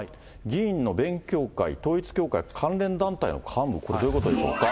議員の勉強会、統一教会、関連団体の幹部、これ、どういうことでしょうか。